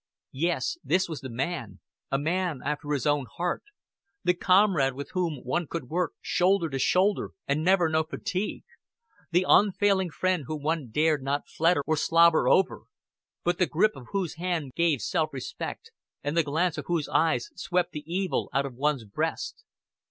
Yes, this was the man a man after his own heart the comrade with whom one could work shoulder to shoulder and never know fatigue the unfailing friend whom one dared not flatter or slobber over, but the grip of whose hand gave self respect and the glance of whose eyes swept the evil out of one's breast.